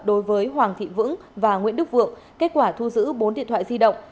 đối với hoàng thị vững và nguyễn đức vượng kết quả thu giữ bốn điện thoại di động